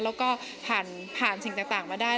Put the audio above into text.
แล้วก็ผ่านสิ่งต่างมาได้